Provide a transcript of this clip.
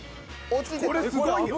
これすごいよ。